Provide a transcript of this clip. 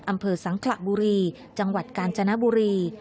อำเภอสังขระบุรีจังหวัดกาญจนบุรี